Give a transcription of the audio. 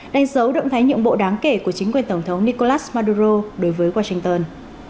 đánh dấu động thái nhượng bộ đáng kể của chính quyền tổng thống nicolas maduro đối với washington